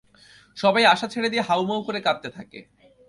সবাই আশা ছেড়ে দিয়ে হাউমাউ করে কাঁদতে থাকে।